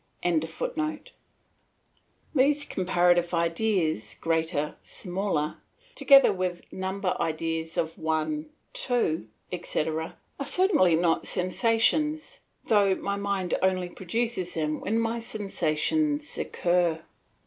] These comparative ideas, 'greater', 'smaller', together with number ideas of 'one', 'two', etc. are certainly not sensations, although my mind only produces them when my sensations occur.